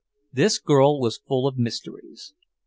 This girl was full of mysteries.